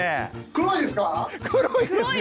黒いですよ。